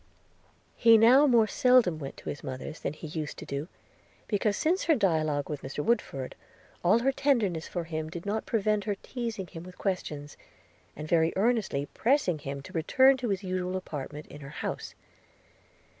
He now more seldom went to his mother's than he used to do; because, since her dialogue with Mr Woodford, all her tenderness for him did not prevent her teasing him with questions, and very earnestly pressing him to return to his usual apartment in her house.